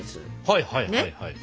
はいはいはい。